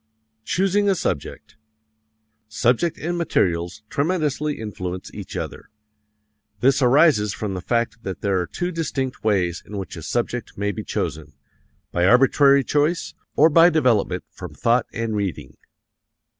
Choosing a Subject Subject and materials tremendously influence each other. "This arises from the fact that there are two distinct ways in which a subject may be chosen: by arbitrary choice, or by development from thought and reading.